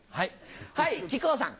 はい木久扇さん。